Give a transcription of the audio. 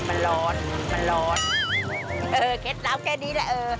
เออเคล็ดเหล้าแค่นี้แหละเออ